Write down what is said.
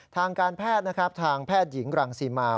ทางการแพทย์นะครับทางแพทย์หญิงรังสิมา